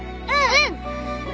うん。